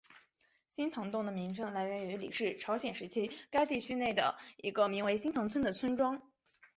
新堂洞的名称来源于李氏朝鲜时期该地区内的一个名为新堂村的村庄。